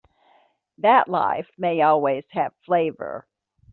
That life may always have flavor.